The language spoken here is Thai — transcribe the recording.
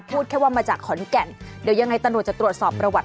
พูดแค่ว่ามาจากขอนแก่นเดี๋ยวยังไงตำรวจจะตรวจสอบประวัติ